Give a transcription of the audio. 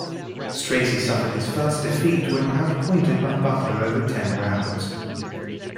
Stracey suffered his first defeat when outpointed by Butler over ten rounds.